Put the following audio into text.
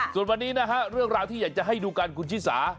ส่วนวันนี้นะฮะเรื่องราวที่อยากจะให้ดูกันคุณชิสา